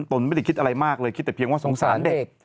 ตนไม่ได้คิดอะไรมากเลยคิดแต่เพียงว่าสงสารเด็ก